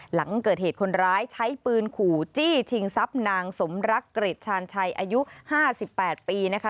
หลังเกิดเหตุคนร้ายใช้ปืนขู่จี้ชิงทรัพย์นางสมรักเกร็ดชาญชัยอายุ๕๘ปีนะคะ